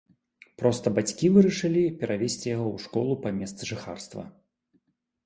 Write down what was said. Проста бацькі вырашылі перавесці яго ў школу па месцы жыхарства.